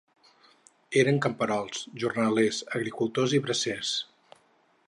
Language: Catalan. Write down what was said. Eren camperols, jornalers, agricultors i bracers.